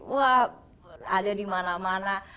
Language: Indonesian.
wah ada di mana mana